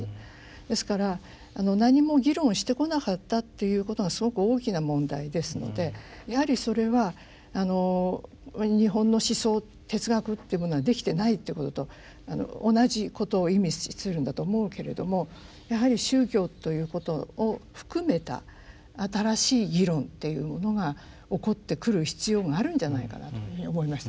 ですから何も議論してこなかったっていうことがすごく大きな問題ですのでやはりそれは日本の思想哲学っていうものはできてないっていうことと同じことを意味するんだと思うけれどもやはり宗教ということを含めた新しい議論っていうのが起こってくる必要があるんじゃないかなというふうに思いましたね。